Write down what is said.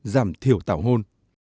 giảm thiểu tảo hôn